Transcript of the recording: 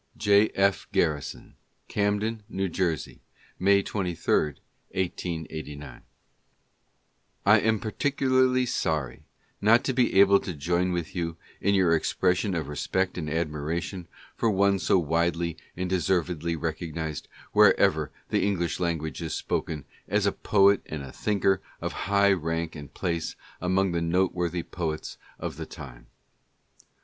J. F. Garrison, Cai?iden, N. J., May 23, 1889. .... I am particularly sorry not to be able to join with you in your expression of respect and admiration for one so widely and deservedly recognized wherever the English language is spoken as a poet and a thinker of high rank and place among the note worthy poets of the time